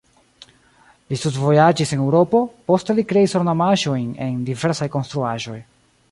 Li studvojaĝis en Eŭropo, poste li kreis ornamaĵojn en diversaj konstruaĵoj.